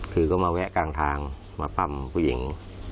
คือก็มาแวะกลางทางมาปั้มผู้หญิง